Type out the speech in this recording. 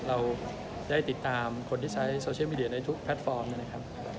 เราได้ติดตามคนที่ใช้โซเชียลมีเดียในทุกแพลตฟอร์มนะครับ